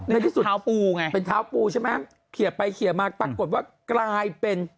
ในที่สุดเท้าปูไงเป็นเท้าปูใช่ไหมเขียไปเคลียร์มาปรากฏว่ากลายเป็น